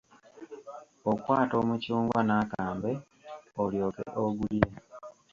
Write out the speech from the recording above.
Okwata omucungwa n'akambe, olyoke ogulye.